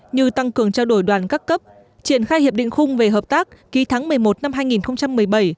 như tăng cường trao đổi đoàn các cấp triển khai hiệp định khung về hợp tác ký tháng một mươi một năm hai nghìn một mươi bảy